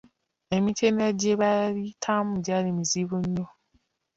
Emitendera gye baayitamu gyali muzibu nnyo.